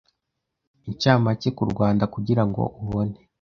incamake ku Rwanda kugira ngo ubone